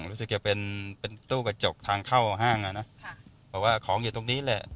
รู้สึกจะเป็นเป็นตู้กระจกทางเข้าห้างอ่ะนะเพราะว่าของอยู่ตรงนี้แหละ